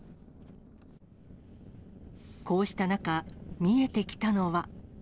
こうした中、見えてきたのは。